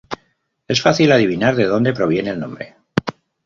Es fácil adivinar de donde proviene el nombre.